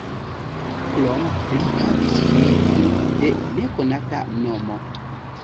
Krome li havis filinon de nekonata nomo.